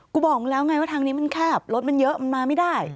บอกมึงแล้วไงว่าทางนี้มันแคบรถมันเยอะมันมาไม่ได้